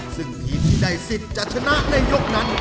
ซึ่งทีมที่ได้สิทธิ์จะชนะในยกนั้น